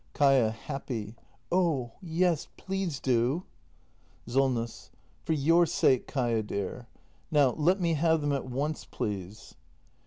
Kaia. [Happy.] Oh yes, please do! Solness. For your sake, Kaia dear. Now, let me have them at once, please.